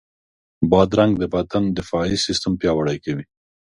بادرنګ د بدن دفاعي سیستم پیاوړی کوي.